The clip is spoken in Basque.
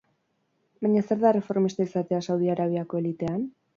Baina zer da erreformista izatea Saudi Arabiako elitean?